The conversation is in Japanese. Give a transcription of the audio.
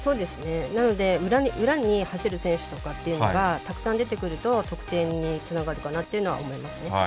なので裏に走る選手とかっていうのがたくさん出てくると得点につながるかなと思います。